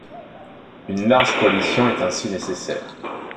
Une large coalition est ainsi nécessaire.